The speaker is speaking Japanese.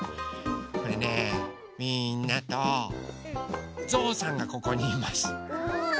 これねみんなとぞうさんがここにいます。